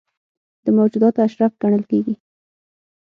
د موجوداتو اشرف ګڼل کېږي.